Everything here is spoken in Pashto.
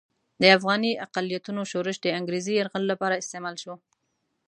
د افغاني اقلیتونو شورش د انګریزي یرغل لپاره استعمال شو.